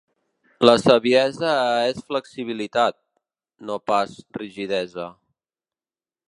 La saviesa és flexibilitat, no pas rigidesa.